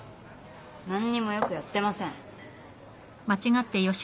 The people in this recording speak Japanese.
何にもよくやってません。